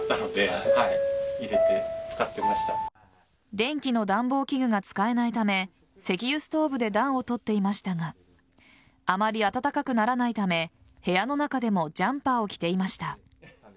電気の暖房器具が使えないため石油ストーブで暖を取っていましたがあまり暖かくならないため部屋の中でもジャンパーを着ていました。